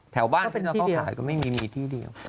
แถวบ้านพี่น้องเขาขายก็ไม่มีมีที่เดียว